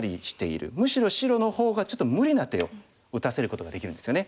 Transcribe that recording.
むしろ白の方がちょっと無理な手を打たせることができるんですよね。